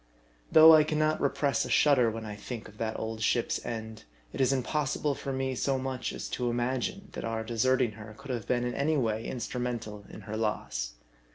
Though I can not repress a shudder when I think of that old ship's end, it is impossible for me so much as to imagine, that our deserting her could have been in any way instru mental in her loss.